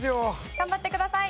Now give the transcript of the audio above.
頑張ってください。